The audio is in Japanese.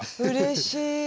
うれしい。